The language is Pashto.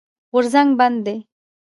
غورځنګ بد دی.